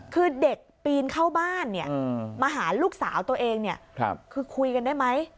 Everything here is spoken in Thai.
คือเด็กปีนเข้าบ้านมาหาลูกสาวตัวเองคือคุยกันได้ไหม